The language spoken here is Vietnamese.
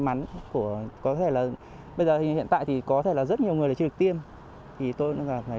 mắn của có thể là bây giờ hiện tại thì có thể là rất nhiều người lại chưa được tiêm thì tôi thấy